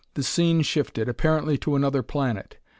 The scene shifted, apparently to another planet.